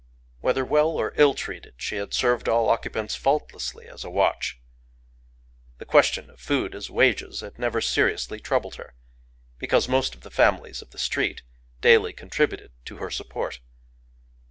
Whether well or ill treated she had served all occupants faultlessly as a watch. The question of food as wages had never seriously troubled her, because most of the families of the street daily contributed to her support.